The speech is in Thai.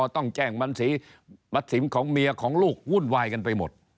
ต้องแจ้งบัญชีบัตรสินของเมียของลูกวุ่นวายกันไปหมด